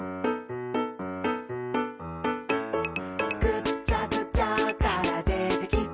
「ぐっちゃぐちゃからでてきたえ」